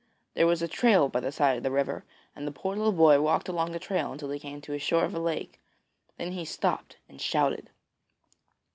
There was a trail by the side of the river, and the poor little boy walked along the trail till he came to the shore of a lake; then he stopped and shouted.